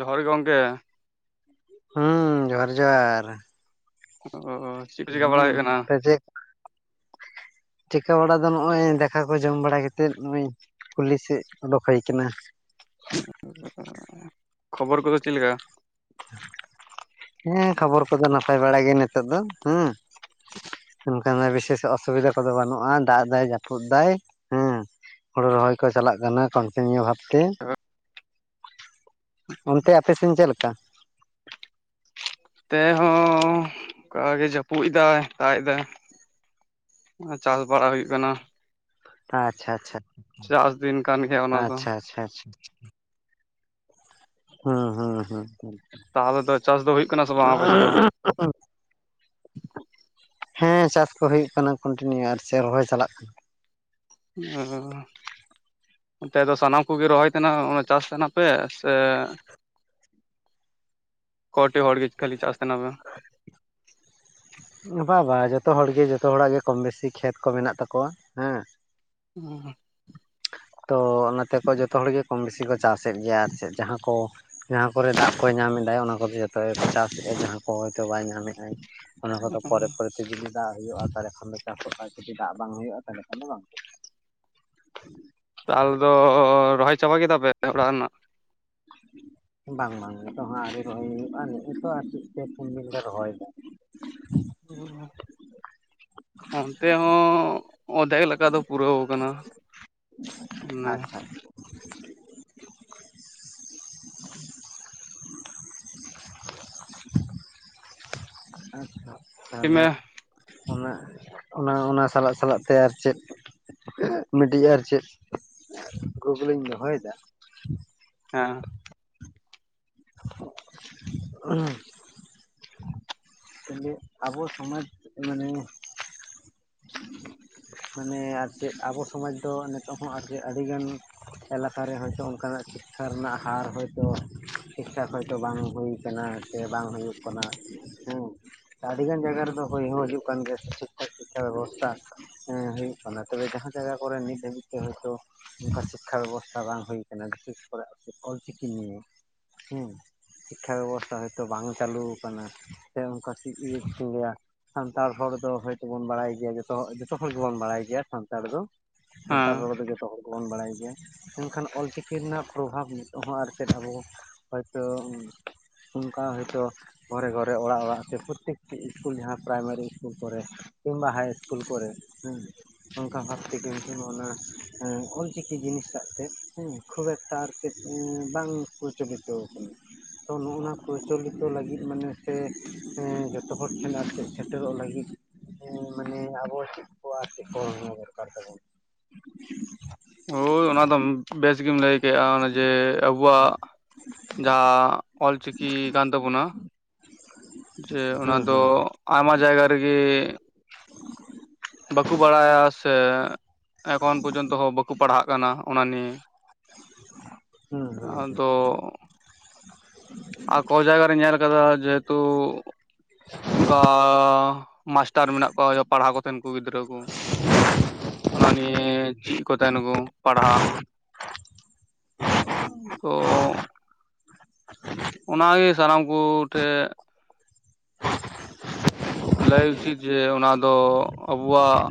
ᱡᱚᱦᱟᱨ ᱜᱮ ᱜᱚᱝᱠᱮ ᱾ ᱦᱩᱸ ᱡᱚᱦᱟᱨ ᱡᱚᱦᱟᱨ ᱾ ᱚ ᱪᱮᱫ ᱠᱚ ᱪᱮᱠᱟ ᱵᱟᱲᱟ ᱦᱩᱭᱩᱜ ᱠᱟᱱᱟ? ᱪᱤᱠᱟᱹᱣ ᱵᱟᱲᱟ ᱫᱚ ᱱᱚᱜᱼᱚᱭ ᱫᱟᱠᱟ ᱠᱚ ᱡᱚᱢ ᱵᱟᱲᱟ ᱠᱟᱛᱮ ᱱᱚᱜ-ᱚᱭ ᱠᱩᱞᱦᱤ ᱥᱮᱫ ᱚᱰᱳᱠ ᱦᱩᱭ ᱠᱟᱱᱟ ᱾ ᱠᱷᱚᱵᱚᱨ ᱠᱚᱫᱚ ᱪᱮᱫᱮ ᱞᱮᱠᱟ? ᱦᱮᱸ ᱠᱷᱚᱵᱚᱨ ᱠᱚᱫᱚ ᱱᱟᱯᱟᱭ ᱵᱟᱲᱟ ᱜᱮ ᱱᱤᱛᱳᱜ ᱫᱚ, ᱦᱩᱸ ᱾ ᱚᱱᱠᱟᱱᱟᱜ ᱵᱤᱥᱮᱥ ᱚᱥᱩᱵᱤᱫᱷᱟ ᱠᱚᱫᱚ ᱵᱟᱹᱱᱩᱜᱼᱟ ᱫᱟᱜ ᱫᱟᱭ, ᱡᱟᱹᱯᱩᱫ ᱫᱟᱭ ᱦᱮᱸ ᱾ ᱦᱳᱲᱳ ᱨᱚᱦᱚᱭ ᱠᱚ ᱪᱟᱞᱟᱜ ᱠᱟᱱᱟ ᱠᱚᱱᱴᱤᱱᱤᱭᱩ ᱵᱷᱟᱵ ᱛᱮ ᱾ [unintelligible] ᱚᱱᱛᱮ ᱟᱯᱮ ᱥᱮᱱ ᱪᱮᱫ ᱞᱮᱠᱟ? ᱛᱮᱦᱚ ᱚᱱᱠᱟ ᱜᱮ ᱡᱟᱹᱯᱩᱫ ᱮᱫᱟᱭ, ᱫᱟᱜ ᱮᱫᱟᱭ ᱟ ᱪᱟᱥ ᱵᱟᱲᱟ ᱦᱩᱭᱩᱜ ᱠᱟᱱᱟ ᱾ ᱟᱪᱪᱷᱟ ᱟᱪᱪᱷᱟ ᱾ ᱪᱟᱥ ᱫᱤᱱ ᱠᱟᱱ ᱜᱮᱭᱟ ᱚᱱᱟ ᱫᱚ ᱾ ᱟᱪᱪᱷᱟ ᱟᱪᱪᱷᱟ [unintelligible] ᱾ ᱦᱩᱸ ᱦᱩᱸ ᱦᱩᱸ ᱦᱩᱸ ᱾ ᱛᱟᱦᱞᱮ ᱫᱚ ᱪᱟᱥ ᱫᱚ ᱦᱩᱭᱩᱜ ᱠᱟᱱᱟ ᱥᱮ ᱵᱟᱝ ᱟᱯᱮ ᱥᱮᱫ ᱫᱚ? [inaudible] ᱦᱮᱸ ᱪᱟᱥ ᱠᱚ ᱦᱩᱭᱩᱜ ᱠᱟᱱᱟ ᱠᱚᱱᱴᱤᱱᱤᱭᱩ ᱟᱨ ᱪᱮ ᱨᱚᱦᱚᱭ ᱪᱟᱞᱟᱜ ᱠᱟᱱᱟ ᱾ ᱚᱻ, ᱚᱱᱛᱮ ᱫᱚ ᱥᱟᱱᱟᱢ ᱠᱚᱜᱮ ᱨᱚᱦᱚᱭ ᱛᱟᱦᱮᱱᱟ ᱚᱱᱟ ᱪᱟᱥ ᱛᱟᱦᱮᱱᱟ ᱯᱮ? ᱥᱮ ᱠᱚᱴᱤ ᱦᱚᱲ ᱜᱮ ᱠᱷᱟᱹᱞᱤ ᱪᱟᱥ ᱛᱟᱦᱮᱱᱟ ᱯᱮ? [inaudible] ᱵᱟ ᱵᱟ ᱡᱚᱛᱚ ᱦᱚᱲ ᱜᱮ ᱡᱚᱛᱚ ᱦᱚᱲ ᱟᱜ ᱜᱮ ᱠᱚᱢ ᱵᱮᱥᱤ ᱠᱷᱮᱛ ᱠᱚ ᱢᱮᱱᱟᱜ ᱛᱟᱠᱚᱣᱟ ᱦᱮᱸ ᱾ ᱩᱸ ᱻ ᱾ ᱛᱚ ᱚᱱᱟ ᱛᱮ ᱠᱚ ᱡᱚᱛᱚ ᱦᱚᱲ ᱜᱮ ᱠᱚᱢ ᱵᱮᱥᱤ ᱠᱚ ᱪᱟᱥ ᱮᱫ ᱜᱮᱭᱟ ᱟᱨ ᱪᱮᱫ ᱡᱟᱦᱟᱸ ᱠᱚ ᱡᱟᱦᱟ ᱠᱚᱨᱮ ᱫᱟᱜ ᱠᱚᱭ ᱧᱟᱢ ᱮᱫᱟ ᱚᱱᱟ ᱠᱚᱫᱚ ᱡᱚᱛᱚ ᱜᱮ ᱠᱚ ᱪᱟᱥ ᱮᱫᱼᱟ ᱡᱟᱦᱟ ᱠᱚ ᱦᱚᱭᱛᱚ ᱵᱟᱭ ᱧᱟᱢ ᱮᱫ ᱟᱭ ᱚᱱᱟ ᱠᱚᱫᱚ ᱯᱚᱨᱮ ᱯᱚᱨᱮ ᱡᱩᱫᱤ ᱫᱟᱜ ᱦᱳᱭᱳᱜᱼᱟ ᱛᱟᱦᱞᱮ ᱠᱷᱟᱱ ᱫᱚ ᱪᱟᱥ ᱚᱜᱼᱟ, ᱡᱩᱫᱤ ᱫᱟᱜ ᱵᱟᱝ ᱦᱳᱭᱳᱜᱼᱟ ᱛᱟᱦᱞᱮ ᱠᱷᱟᱱ ᱫᱚ ᱵᱟᱝ [inaudible] ᱛᱟᱞ ᱫᱚ ᱨᱚᱦᱚᱭ ᱪᱟᱵᱟ ᱠᱮᱫᱟ ᱯᱮ ᱚᱲᱟᱜ ᱨᱮᱱᱟᱜ? ᱵᱟᱝ ᱵᱟᱝ ᱱᱤᱛᱚᱜ ᱦᱚᱸ ᱟᱹᱣᱨᱤ ᱨᱚᱦᱚᱭ ᱦᱳᱭᱳᱜᱼᱟ ᱱᱮᱜ-ᱮ ᱛᱚ ᱟᱨ ᱪᱮᱫ ᱯᱮ ᱯᱩᱱ ᱫᱤᱱ ᱞᱮ ᱨᱚᱦᱚᱭ ᱮᱫᱟ ᱾ ᱚᱻ [unintelligible] ᱚᱱᱛᱮ ᱦᱚᱸ ᱚᱫᱷᱮᱠ ᱞᱮᱠᱟ ᱫᱚ ᱯᱩᱨᱟᱹᱣ ᱠᱟᱱᱟ ᱾ ᱟᱪᱪᱷᱟ ᱾ ᱟᱪᱪᱷᱟ ᱦᱮᱸ ᱛᱟᱦᱞᱮ ᱚᱱᱟ, ᱚᱱᱟ ᱚᱱᱟ ᱥᱟᱞᱟᱜ ᱥᱟᱞᱟᱜ ᱛᱮ ᱟᱨ ᱪᱮᱫ [inaudible] ᱢᱤᱫᱴᱤᱡ ᱟᱨ ᱪᱮᱫ ᱠᱩᱠᱞᱤᱧ ᱫᱚᱦᱚᱭ ᱫᱟ ᱾ ᱦᱮᱸ ᱾ [inaudible] ᱛᱟᱦᱞᱮ ᱟᱵᱚ ᱥᱚᱢᱟᱡᱽ ᱢᱟᱱᱮ ᱢᱟᱱᱮ ᱟᱨ ᱪᱮᱫ ᱟᱵᱚ ᱥᱚᱢᱟᱡᱽ ᱫᱚ ᱱᱮᱛᱳᱜ ᱦᱚᱸ ᱟᱨ ᱡᱮ ᱟᱹᱰᱤ ᱜᱟᱱ ᱮᱞᱟᱠᱟ ᱨᱮ ᱦᱚᱭᱛᱳ ᱚᱝᱠᱟ ᱱᱟᱜ ᱥᱤᱠᱽᱠᱷᱟ ᱨᱮᱱᱟᱜ ᱦᱟᱨ ᱦᱚᱭ ᱛᱚ ᱴᱷᱤᱠ ᱴᱷᱟᱠ ᱦᱚᱭ ᱛᱚ ᱵᱟᱝ ᱦᱩᱭ ᱠᱟᱱᱟ ᱥᱮ ᱵᱟᱝ ᱦᱳᱭᱳᱜ ᱠᱟᱱᱟ ᱦᱮᱸ ᱾ ᱟᱹᱰᱤ ᱜᱟᱱ ᱡᱟᱭᱜᱟ ᱨᱮᱫᱚ ᱦᱳᱭ ᱦᱚᱸ ᱦᱳᱭᱳᱜ ᱠᱟᱱ ᱜᱮᱭᱟ ᱠᱤᱪᱷᱩ ᱾ ᱵᱮᱵᱚᱥᱛᱷᱟ ᱦᱮ ᱦᱩᱭᱩᱜ ᱠᱟᱱᱟ ᱛᱚᱵᱮ ᱡᱟᱦᱟ ᱡᱟᱭᱜᱟ ᱠᱚᱨᱮ ᱱᱤᱛ ᱫᱷᱟᱹᱵᱤᱡ ᱛᱮ ᱦᱳᱭ ᱛᱚ ᱚᱱᱠᱟ ᱥᱤᱠᱽᱠᱷᱟ ᱵᱮᱵᱚᱥᱛᱷᱟ ᱵᱟᱝ ᱦᱩᱭ ᱟᱠᱟᱱᱟ ᱵᱤᱥᱮᱥ ᱠᱚ ᱨᱮ ᱚᱞᱪᱤᱠᱤ ᱱᱤᱭᱮ ᱦᱮᱸ ᱾ ᱥᱤᱠᱽᱠᱷᱟ ᱵᱮᱵᱚᱥᱛᱷᱟ ᱦᱳᱭ ᱛᱚ ᱵᱟᱝ ᱪᱟᱹᱞᱩᱣ ᱠᱟᱱᱟ ᱥᱮ ᱚᱱᱠᱟ ᱪᱮᱫ ᱤᱧ ᱞᱟᱹᱭᱟ! ᱥᱟᱱᱛᱟᱲ ᱦᱚᱲ ᱫᱚ ᱦᱳᱭᱛᱚ ᱵᱚᱱ ᱵᱟᱲᱟᱭ ᱜᱮᱭᱟ ᱡᱚᱛᱚ ᱡᱚᱛᱚ ᱦᱚᱲ ᱜᱮ ᱵᱚᱱ ᱵᱟᱲᱟᱭ ᱜᱮᱭᱟ ᱥᱟᱱᱛᱟᱲ ᱫᱚ ᱥᱟᱱᱛᱟᱲ ᱨᱚᱲ ᱫᱚ ᱡᱚᱛᱚ ᱦᱚᱲ ᱵᱚᱱ ᱵᱟᱲᱟᱭ ᱜᱮᱭᱟ, ᱢᱮᱱ ᱠᱷᱟᱱ ᱚᱞᱪᱤᱠᱤ ᱨᱮᱱᱟᱜ ᱯᱨᱚᱵᱷᱟᱵᱽ ᱱᱤᱛᱚᱜ ᱦᱚᱸ ᱟᱨ ᱪᱮᱫ ᱟᱵᱚ ᱦᱚᱭ ᱛᱚ ᱚᱝᱠᱟ ᱦᱳᱭ ᱛᱚ ᱜᱷᱚᱨᱮ ᱜᱷᱚᱨᱮ ᱚᱲᱟᱜ ᱚᱲᱟᱜ ᱥᱮ ᱯᱨᱚᱛᱮᱠ ᱴᱤ ᱤᱥᱠᱩᱞ ᱡᱟᱦᱟ ᱯᱨᱟᱭᱢᱟᱨᱤ ᱤᱥᱠᱩᱞ ᱠᱚᱨᱮ ᱠᱤᱝᱵᱟ ᱦᱟᱭ ᱤᱥᱠᱩᱞ ᱠᱚᱨᱮ ᱦᱮᱸ ᱾ ᱚᱱᱠᱟ ᱵᱷᱟᱵ ᱛᱮ ᱠᱤᱱᱛᱩ ᱚᱱᱟ ᱮᱸ ᱚᱞᱪᱤᱠᱤ ᱡᱤᱱᱤᱥ ᱴᱟᱜ ᱛᱮᱫ ᱦᱮᱸ ᱾ ᱠᱷᱩᱵ ᱮᱠᱴᱟ ᱟᱨᱠᱤ ᱵᱟᱝ ᱯᱨᱚᱪᱚᱞᱤᱛᱚ ᱟᱠᱟᱱᱟ ᱾ ᱛᱚ ᱱᱚᱜᱼᱚ ᱱᱚᱣᱟ ᱯᱨᱚᱪᱚᱞᱤᱛᱚ ᱞᱟᱹᱜᱤᱫ ᱢᱟᱱᱮ ᱥᱮ ᱮᱸ ᱡᱚᱛᱚ ᱦᱚᱲ ᱴᱷᱮᱱ ᱟᱨ ᱪᱮᱫ ᱥᱮᱴᱮᱨᱚᱜ ᱞᱟᱹᱜᱤᱫ ᱢᱟᱱᱮ ᱟᱵᱚ ᱪᱮᱫ ᱠᱚ ᱟᱨ ᱪᱮᱫ ᱠᱚ ᱱᱚᱣᱟ ᱫᱚᱨᱠᱟᱨ ᱛᱟᱵᱚᱱ? ᱦᱳᱭ ᱚᱱᱟ ᱫᱚ ᱵᱮᱥ ᱜᱮᱢ ᱞᱟᱹᱭ ᱠᱮᱜᱼᱟ ᱚᱱᱮ ᱡᱮ ᱟᱵᱩᱣᱟᱜ ᱡᱟᱦᱟ ᱚᱞ ᱪᱤᱠᱤ ᱠᱟᱱ ᱛᱟᱵᱚ ᱱᱟ ᱡᱮ ᱚᱱᱟ ᱦᱩᱸ ᱫᱚ ᱦᱩᱸ ᱟᱭᱢᱟ ᱡᱟᱭᱜᱟ ᱨᱮᱜᱮ [inaudible] ᱵᱟᱠᱩ ᱵᱟᱲᱟᱭᱟ ᱥᱮ ᱮᱠᱷᱚᱱ ᱯᱚᱨᱡᱚᱱᱛᱚ ᱦᱚᱸ ᱵᱟᱠᱩ ᱯᱟᱲᱦᱟᱜ ᱠᱟᱱᱟ ᱚᱱᱟ ᱱᱤᱭᱮ ᱦᱩᱸ ᱦᱩᱸ ᱾ ᱟᱫᱚ ᱟᱨ ᱠᱚ ᱡᱟᱭᱜᱟ ᱨᱤᱧ ᱧᱮᱞ ᱠᱟᱫᱟ ᱡᱮᱦᱮᱛᱩ ᱚᱱᱠᱟᱻ ᱢᱟᱥ ᱴᱟᱨ ᱢᱮᱱᱟᱜ ᱠᱚᱣᱟ ᱯᱟᱲᱦᱟᱣ ᱠᱚᱛᱷᱮᱱ ᱠᱚ ᱜᱤᱫᱽᱨᱟᱹ ᱠᱚ, ᱚᱱᱟ ᱱᱤᱭᱮ ᱪᱮᱫ ᱠᱚ ᱛᱟᱦᱮᱱᱟ ᱠᱚ ᱯᱟᱲᱦᱟᱜ, ᱛᱚᱻ [inaudible] ᱚᱱᱟᱜᱮ ᱥᱟᱱᱟᱢ ᱠᱚ ᱴᱷᱮᱡ ᱞᱟᱹᱭ ᱩᱪᱤᱛ ᱡᱮ ᱚᱱᱟ ᱫᱚ ᱟᱵᱚᱣᱟᱜ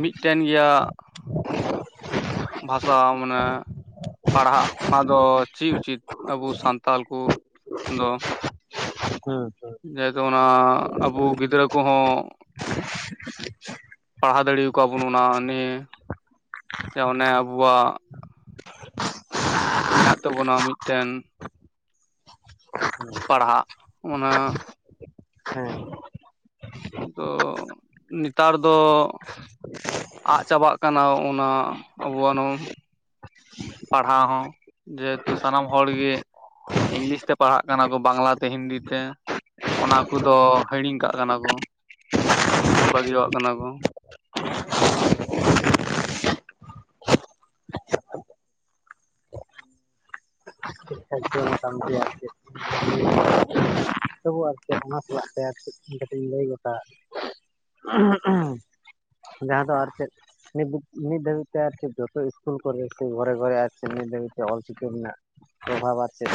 ᱢᱤᱫᱴᱮᱱ ᱜᱮᱭᱟ ᱾ ᱵᱷᱟᱥᱟ ᱢᱟᱱᱮ ᱯᱟᱲᱦᱟᱜ ᱚᱱᱟ ᱫᱚ ᱪᱮᱫ ᱩᱪᱤᱛ ᱟᱵᱚ ᱥᱟᱱᱛᱟᱞ ᱠᱚ ᱫᱚ? ᱦᱮᱸ ᱦᱮᱸ ᱾ ᱡᱮᱦᱮᱛᱩ ᱚᱱᱟ ᱟᱵᱚ ᱜᱤᱫᱽᱨᱟᱹ ᱠᱚᱦᱚᱸ ᱯᱟᱲᱦᱟᱣ ᱫᱟᱲᱮ ᱟᱠᱚᱣᱟ ᱵᱚᱱ ᱚᱱᱟ ᱱᱤᱭᱮ ᱡᱮ ᱚᱱᱮ ᱟᱵᱚᱣᱟᱜ ᱢᱮᱱᱟᱜ ᱛᱟᱵᱚᱱᱟ ᱢᱤᱫᱴᱮᱱ ᱯᱟᱲᱦᱟᱜ ᱾ ᱚᱱᱟ ᱦᱮᱸ ᱾ ᱟᱫᱚ ᱱᱮᱛᱟᱨ ᱫᱚ ᱟᱜ ᱪᱟᱵᱟᱜ ᱠᱟᱱᱟ ᱚᱱᱟ ᱟᱵᱚᱣᱟᱜ ᱱᱚᱣᱟ ᱯᱟᱲᱦᱟᱣ ᱦᱚᱸ, ᱡᱮᱦᱮᱛᱩ ᱥᱟᱱᱟᱢ ᱦᱚᱲ ᱜᱮ ᱤᱝᱞᱤᱥ ᱛᱮ ᱯᱟᱲᱦᱟᱜ ᱠᱟᱱᱟ ᱠᱚ ᱵᱟᱝᱞᱟ ᱛᱮ ᱦᱤᱱᱫᱤ ᱛᱮ ᱾ ᱚᱱᱟ ᱠᱚᱫᱚ ᱦᱤᱲᱤᱧ ᱠᱟᱜ ᱠᱟᱱᱟ ᱠᱚ ᱥᱮ ᱵᱟᱹᱜᱤᱭᱟᱜ ᱠᱟᱱᱟ ᱠᱚ ᱾ [inaudible] ᱛᱚᱵᱩ ᱟᱨ ᱪᱮᱫ ᱚᱱᱟ ᱥᱟᱞᱟᱜ ᱛᱮ ᱟᱨ ᱠᱟᱴᱤᱡ ᱤᱧ ᱞᱟᱹᱭ ᱜᱚᱴᱟ ᱡᱟᱦᱟᱸ ᱫᱚ ᱟᱨ ᱪᱮᱫ? ᱱᱤᱛ ᱱᱤᱛ ᱫᱷᱟᱹᱵᱤᱡ ᱛᱮ ᱟᱨᱠᱤ ᱡᱚᱛᱚ ᱤᱥᱠᱩᱞ ᱠᱚᱨᱮ ᱛᱮ ᱜᱷᱚᱨᱮ ᱜᱷᱚᱨᱮ [unintelligible] ᱫᱷᱟᱹᱵᱤᱡ ᱛᱮ ᱚᱞ ᱪᱤᱠᱤ ᱢᱮᱱᱟᱜ ᱯᱨᱚᱵᱷᱟᱵ ᱟᱨ ᱪᱮᱫ [inaudible]